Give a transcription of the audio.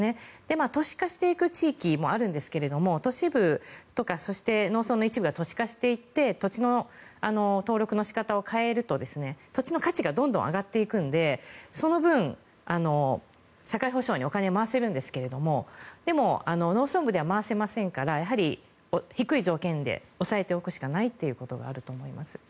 都市化していく地域もあるんですが都市部とか、そして農村の一部が都市化していって土地の登録の仕方を変えると土地の価値がどんどん上がっていくのでその分、社会保障にお金が回せるんですがでも、農村部では回せませんからやはり低い条件で抑えておくしかないということがあると思います。